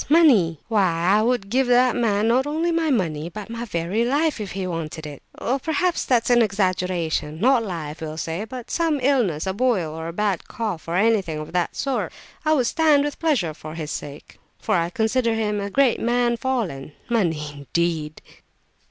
Money! Why I would give that man not only my money, but my very life, if he wanted it. Well, perhaps that's exaggeration; not life, we'll say, but some illness, a boil or a bad cough, or anything of that sort, I would stand with pleasure, for his sake; for I consider him a great man fallen—money, indeed!"